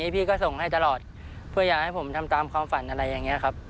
พี่ก็ส่งให้ตลอดเพื่ออยากให้ผมทำตามความฝันอะไรอย่างนี้ครับ